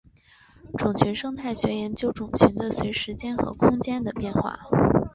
种群生态学研究种群的随时间和空间的变化。